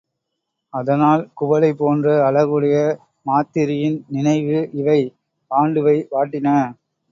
அதனால் குவளை போன்ற அழகுடைய மாத்திரியின் நினைவு இவை பாண்டுவை வாட்டின.